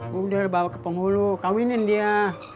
kemudian bawa ke penghulu kawinin dia